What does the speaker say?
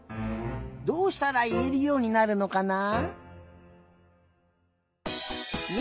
どうしたらいえるようになるのかな？